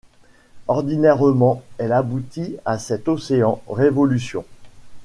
Ordinairement elle aboutit à cet océan: révolution.